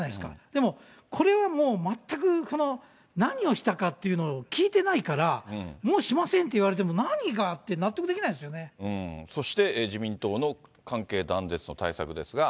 でも、これはもう全く、この何をしたかっていうのを聞いてないから、もうしませんって言われても、何がって、そして、自民党の関係断絶の対策ですが。